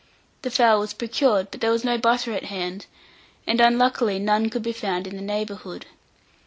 The fowl was procured, but there was no butter at hand, and unluckily none could be found in the neighbourhood.